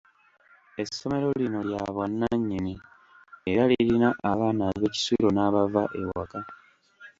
Essomero lino lya bwanannyini, era lirina abaana ab'ekisulo n'abava ewaka.